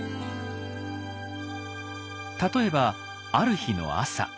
例えばある日の朝。